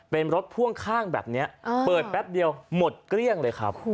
เป็นรถพ่วงข้างแบบนี้เปิดแป๊บเดียวหมดเกลี้ยงเลยครับ